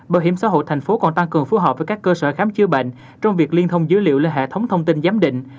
bảo hiểm xã hội thành phố còn tăng cường phối hợp với các cơ sở khám chữa bệnh trong việc liên thông dữ liệu lên hệ thống thông tin giám định